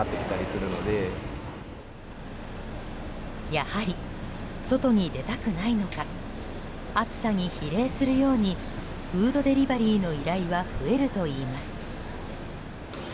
やはり、外に出たくないのか暑さに比例するようにフードデリバリーの依頼は増えるといいます。